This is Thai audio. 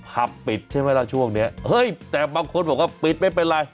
ผับปิดใช่ไหมล่ะช่วงนี้เฮ้ยแต่บางคนบอกว่าปิดไม่เป็นไร